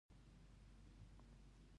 آیا ایران د انرژۍ یو ستر قدرت نه دی؟